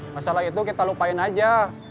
masalah itu kita lupain aja